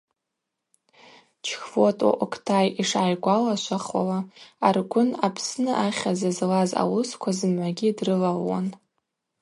Чхвотӏуа Октай йшгӏайгвалашвахуала, Аргвын Апсны ахьыз злаз ауысква зымгӏвагьи дрылалуан.